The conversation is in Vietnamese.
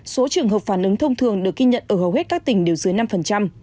số trường hợp phản ứng thông thường được ghi nhận ở hầu hết các tỉnh đều dưới năm